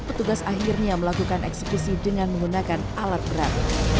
petugas akhirnya melakukan eksekusi dengan menggunakan alat berat